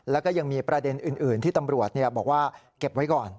แล้วก็ยังมีประเด็นอื่นที่ตำรวจบอกว่าเก็บไว้ก่อน